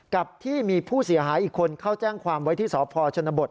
กับที่มีผู้เสียหายอีกคนเข้าแจ้งความไว้ที่สพชนบท